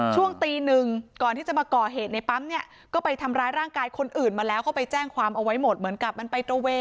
ช่วงตีหนึ่งก่อนที่จะมาก่อเหตุในปั๊มเนี่ยก็ไปทำร้ายร่างกายคนอื่นมาแล้ว